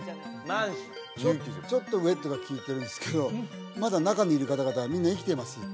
マンションちょっとウイットがきいてるんですけど「まだ中にいる方々はみんな生きてます」